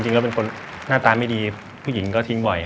เป็นคนหน้าตาไม่ดีผู้หญิงก็ทิ้งบ่อย